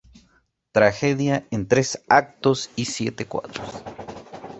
Tragedia en tres actos y siete cuadros.